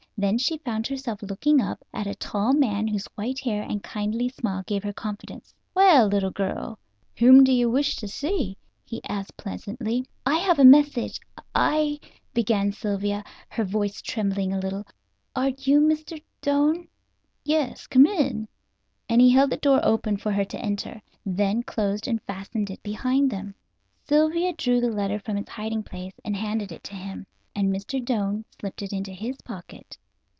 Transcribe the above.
Then she found herself looking up at a tall man whose white hair and kindly smile gave her confidence. "Well, little girl, whom do you wish to see?" he asked pleasantly. "I have a message, I " began Sylvia, her voice trembling a little. "Are you Mr. Doane?" "Yes; come in," and he held the door open for her to enter, and then closed and fastened it behind them. Sylvia drew the letter from its hiding place and handed it to him, and Mr. Doane slipped it into his pocket.